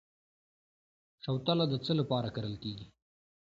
شوتله د څه لپاره کرل کیږي؟